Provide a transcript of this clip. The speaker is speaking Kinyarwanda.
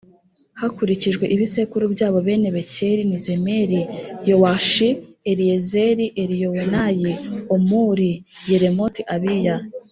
hakurikijwe ibisekuru byabo Bene Bekeri ni Zemira Yowashi Eliyezeri Eliyowenayi Omuri Yeremoti Abiya